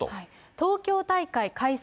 東京大会開催